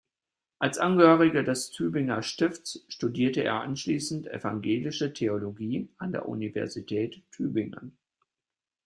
Als Angehöriger des Tübinger Stifts studierte er anschließend evangelische Theologie an der Universität Tübingen.